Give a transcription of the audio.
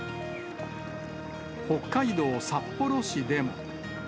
北海道札幌市でも。